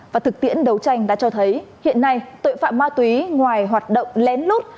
và thực tiễn đấu tranh đã cho thấy hiện nay tội phạm ma túy ngoài hoạt động lén lút